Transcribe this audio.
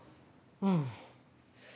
うん。